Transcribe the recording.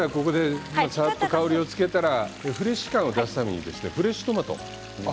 香りをつけたらフレッシュ感を出すためにフレッシュトマト。